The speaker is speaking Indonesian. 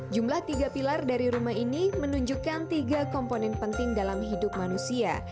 jumlah tiga pilar dari rumah ini menunjukkan tiga komponen penting dalam hidup manusia